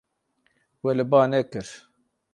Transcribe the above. We li ba nekir.